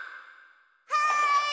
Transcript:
はい！